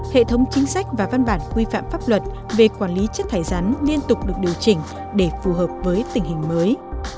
hệ thống chính sách và văn bản quy phạm pháp luật về quản lý chất thải rắn liên tục được điều chỉnh để phù hợp với tình hình mới